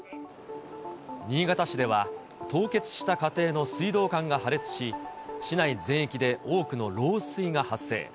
新潟市では、凍結した家庭の水道管が破裂し、市内全域で多くの漏水が発生。